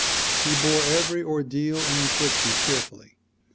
He bore every ordeal and infliction cheerfully.